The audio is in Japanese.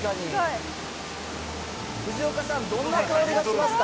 藤岡さん、どんな香りがしますか？